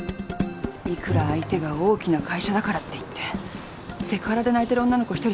いくら相手が大きな会社だからっていってセクハラで泣いてる女の子１人